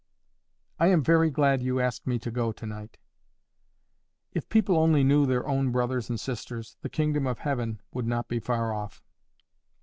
"I am very glad you asked me to go to night." "If people only knew their own brothers and sisters, the kingdom of heaven would not be far off."